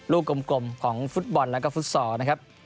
กลมของฟุตบอลแล้วก็ฟุตซอลนะครับ